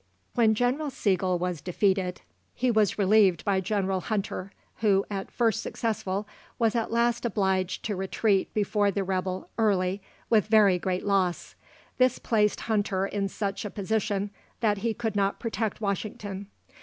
When General Sigel was defeated, he was relieved by General Hunter, who, at first successful, was at last obliged to retreat before the rebel Early, with very great loss. This placed Hunter in such a position that he could not protect Washington.